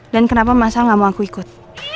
dan kenapa masa tidak mau aku ikut